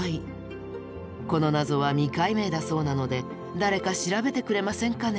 この謎は未解明だそうなので誰か調べてくれませんかね。